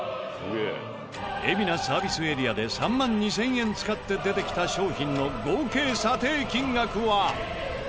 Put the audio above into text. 海老名サービスエリアで３万２０００円使って出てきた商品の合計査定金額は。